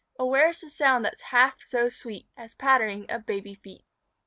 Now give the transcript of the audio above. Oh, where's the sound that's half so sweet As pattering of baby feet?